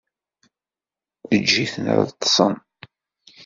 Eǧǧ-iten ad ṭṭsen.